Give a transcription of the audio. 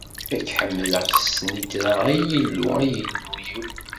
Ad k-ḥemdeɣ s snitra, a Illu, a Illu-iw!